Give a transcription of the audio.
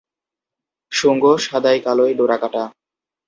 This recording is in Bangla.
শুঙ্গ সাদায়-কালোয় ডোরাকাটা।